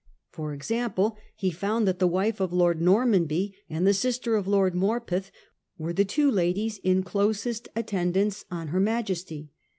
For example, he found that the wife of Lord Nor manby and the sister of Lord Morpeth were the two ladies in closest attendance on her Majesty.